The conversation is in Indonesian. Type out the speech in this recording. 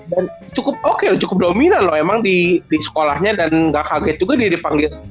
dan cukup oke loh cukup dominan loh emang di sekolahnya dan gak kaget juga dia dipanggil